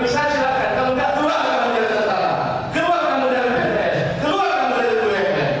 keluar kamu dari bumn